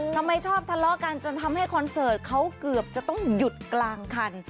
ทำไมชอบทะเลาะกันจนทำให้คอนเสิร์ตเขาเกือบจะต้องหยุดกลางคัน